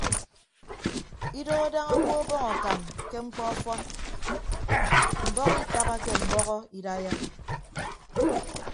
Idooho daña owo ọbọñ akam ke mkpọ ọfọn mbọhọ itabake mbọhọ idaiya.